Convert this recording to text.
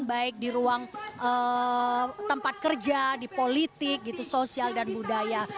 baik di ruang tempat kerja di politik gitu sosial dan budaya